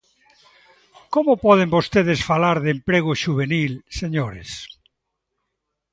¿Como poden vostedes falar de emprego xuvenil, señores?